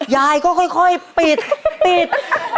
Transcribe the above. ยายก็ค่อยปิด